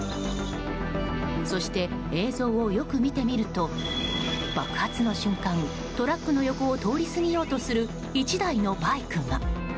そして映像をよく見てみると爆発の瞬間トラックの横を通り過ぎようとする１台のバイクが。